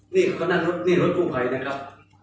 นี่รถฟูอะไรนะครับ